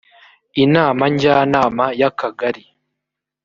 inama njyanama y akagari